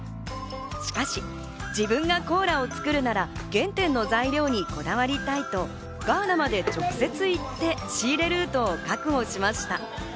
しかし自分がコーラを作るなら、原点の材料にこだわりたいとガーナまで直接行って、仕入れルートを確保しました。